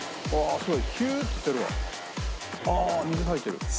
すごい！